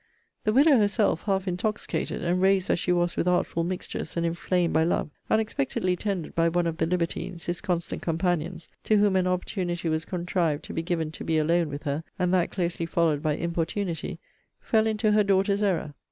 The widow herself, half intoxicated, and raised as she was with artful mixtures, and inflamed by love, unexpectedly tendered by one of the libertines, his constant companions, (to whom an opportunity was contrived to be given to be alone with her, and that closely followed by importunity, fell into her daughter's error.